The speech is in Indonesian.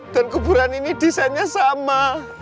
dan kuburan ini desainnya sama